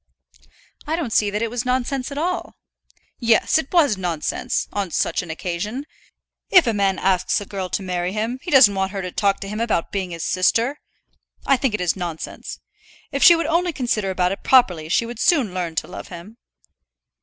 "I don't see that it was nonsense at all." "Yes, it was nonsense, on such an occasion. If a man asks a girl to marry him, he doesn't want her to talk to him about being his sister. I think it is nonsense. If she would only consider about it properly she would soon learn to love him."